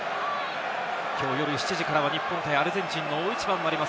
きょう夜７時から日本対アルゼンチンの大一番もあります